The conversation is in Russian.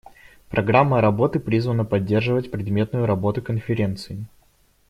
Программа работы призвана поддерживать предметную работу Конференции.